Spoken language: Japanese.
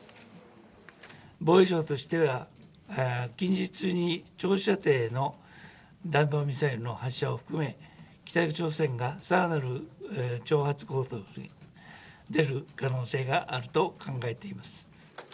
防衛省としては、近日中に、長射程の弾道ミサイルの発射を含め、北朝鮮がさらなる挑発行動に出る可能性があると考えています。